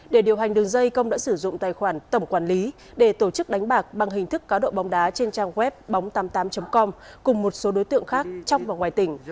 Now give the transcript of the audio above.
để điều hành đường dây công đã sử dụng tài khoản tổng quản lý để tổ chức đánh bạc bằng hình thức cá độ bóng đá trên trang web bóng tám mươi tám com cùng một số đối tượng khác trong và ngoài tỉnh